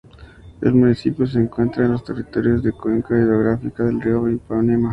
El municipio se encuentra en los territorios de la Cuenca Hidrográfica del Río Ipanema.